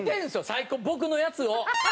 最初僕のやつを。